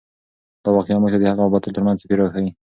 دا واقعه موږ ته د حق او باطل تر منځ توپیر راښیي.